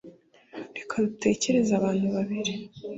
reka dutekereze abantu babiri